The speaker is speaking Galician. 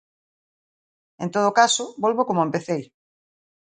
En todo caso, volvo como empecei.